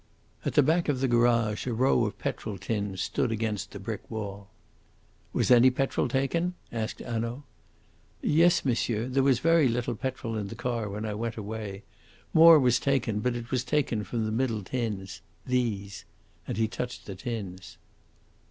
At the back of the garage a row of petrol tins stood against the brick wall. "Was any petrol taken?" asked Hanaud. "Yes, monsieur; there was very little petrol in the car when I went away. More was taken, but it was taken from the middle tins these." And he touched the tins.